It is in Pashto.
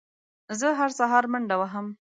زه هره سهار منډه وهم